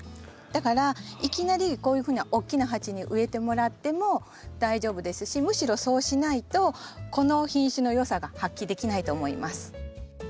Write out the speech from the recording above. だからいきなりこういうふうな大きな鉢に植えてもらっても大丈夫ですしむしろそうしないとこの品種のよさが発揮できないと思います。